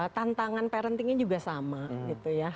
tantangan parentingnya juga sama gitu ya